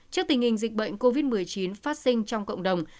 trước tình hình dịch bệnh covid một mươi chín phát sinh trong cộng đồng